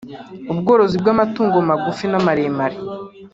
ubworozi bw’amatungo magufi n’amaremare